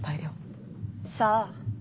さあ。